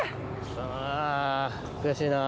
あ悔しいな。